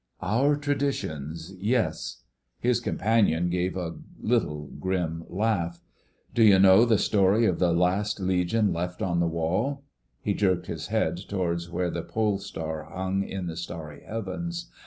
'" "Our tradition—yes." His companion gave a little grim laugh. "D'you know the story of the last Legion left on the Wall—?" he jerked his head towards where the Pole Star hung in the starry heavens.